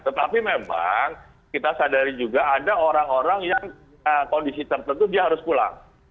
tetapi memang kita sadari juga ada orang orang yang kondisi tertentu dia harus pulang